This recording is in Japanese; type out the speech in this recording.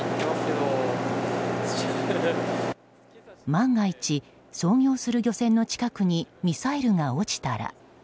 万が一、操業する漁船の近くにミサイルが落ちたら。